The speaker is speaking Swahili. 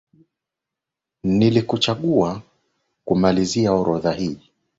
Nilikuchagua kumaliza orodha hii.